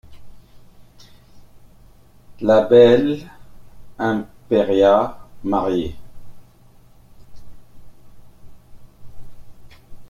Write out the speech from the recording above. La belle Impéria mariée.